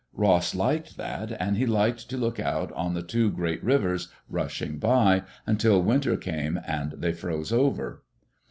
Ross liked that, and he liked to look out on the two great rivers rushing by, until winter came and they froze over.